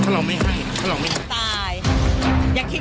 ปากกับภาคภูมิ